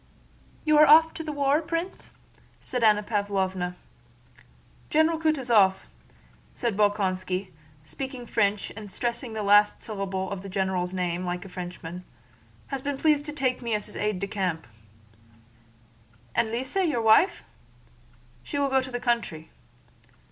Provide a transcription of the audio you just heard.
"You are off to the war, Prince?" said Anna Pávlovna. "General Kutúzov," said Bolkónski, speaking French and stressing the last syllable of the general's name like a Frenchman, "has been pleased to take me as an aide de camp...." "And Lise, your wife?" "She will go to the country."